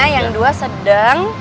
yang dua sedang